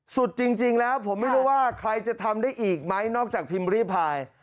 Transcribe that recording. สุดจริงแล้วผมไม่รู้ว่าใครจะทำได้อีกไหมนอกจากพิมพ์ริพาย